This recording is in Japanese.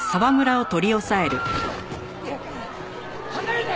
離れて！